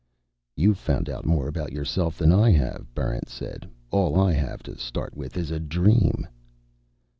"You've found out more about yourself than I have," Barrent said. "All I have to start with is a dream."